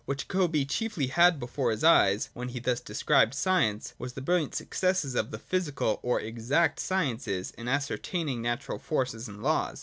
What Jacobi chiefly had before his eyes, when he thus described science, was the brilliant suc cesses of the physical or ' exact ' sciences in ascertaining natural forces and laws.